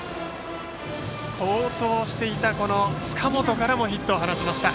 好投していた塚本からもヒットを放ちました。